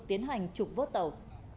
tiến hành trục vớt tàu